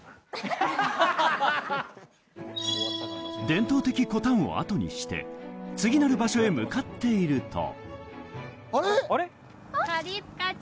伝統的コタンを後にして、次なる場所へ向かっていると。